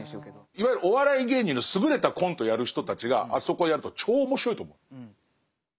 いわゆるお笑い芸人の優れたコントをやる人たちがあそこをやると超面白いと思う。